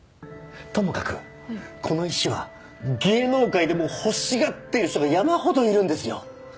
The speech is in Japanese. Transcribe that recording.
ともかくこの石は芸能界でも欲しがってる人が山ほどいるんですよ！